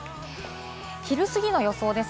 昼過ぎの予想です。